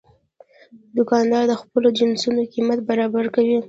دوکاندار د خپلو جنسونو قیمت برابر کوي.